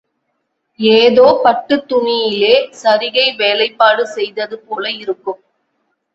ஏதோ பட்டுத் துணியிலே சரிகை வேலைப்பாடு செய்தது போல இருக்கும்.